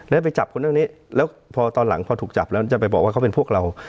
แล้วไปจับคนเรื่องนี้แล้วพอตอนหลังพอถูกจับแล้วจะไปบอกว่าเขาเป็นพวกเรา